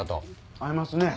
合いますね。